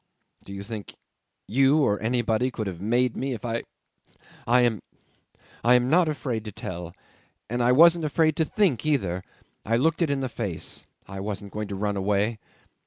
Do you think you or anybody could have made me if I ... I am I am not afraid to tell. And I wasn't afraid to think either. I looked it in the face. I wasn't going to run away.